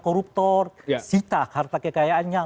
koruptor sitah harta kekayaannya